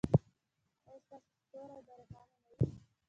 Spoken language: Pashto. ایا ستاسو ستوری به روښانه نه وي؟